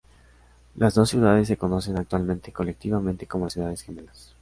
Las dos ciudades se conocen actualmente colectivamente como las ciudades gemelas.